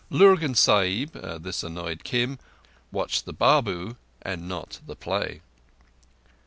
Lurgan Sahib—this annoyed Kim—watched the Babu and not the play.